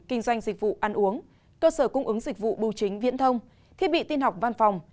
kinh doanh dịch vụ ăn uống cơ sở cung ứng dịch vụ bưu chính viễn thông thiết bị tin học văn phòng